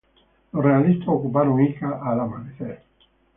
Los realistas ocuparon Ica al amanecer.